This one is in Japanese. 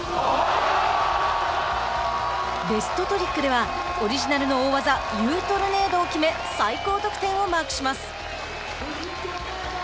ベストトリックではオリジナルの大技ユウトルネードを決め最高得点をマークします。